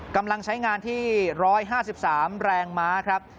กำลังใช้งานที่๑๕๓แรงม้าครับ